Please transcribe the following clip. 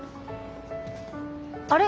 あれ？